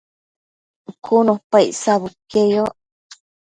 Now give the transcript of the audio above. cun opa icsabudquieyoc